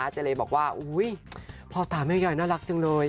อาจารย์บอกว่าอุ้ยพ่อตาแม่ยายน่ารักจังเลย